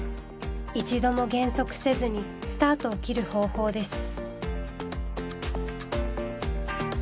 一度も減速せずにスタートを切る方法です。